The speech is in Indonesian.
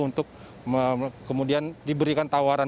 untuk kemudian diberikan tawaran